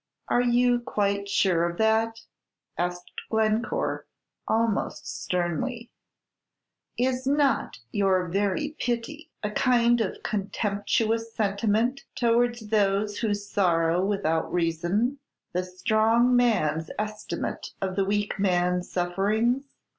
"Are you quite sure of that?" asked Glencore, almost sternly; "is not your very pity a kind of contemptuous sentiment towards those who sorrow without reason, the strong man's estimate of the weak man's sufferings?